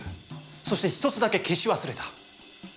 そして１つだけ消し忘れた。